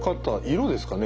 色ですかね